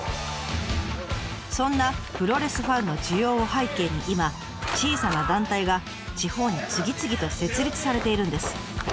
そんなプロレスファンの需要を背景に今小さな団体が地方に次々と設立されているんです。